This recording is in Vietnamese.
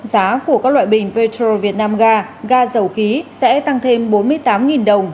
giá của các loại bình petro việt nam ga dầu khí sẽ tăng thêm bốn mươi tám đồng